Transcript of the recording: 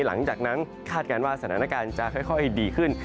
หลังจากนั้นคาดการณ์ว่าสถานการณ์จะค่อยดีขึ้น